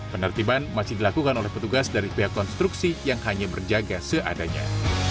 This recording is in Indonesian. penertiban masih dilakukan oleh petugas dari pihak konstruksi yang hanya berjaga seadanya